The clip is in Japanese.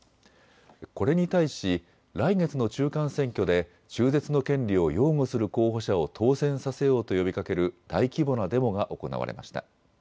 これに対し来月の中間選挙で中絶の権利を擁護する候補者を当選させようと呼びかける大規模なデモが行われました。